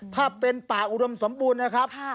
ถ้าเป็นป่าอุดมสมบูรณ์นะครับ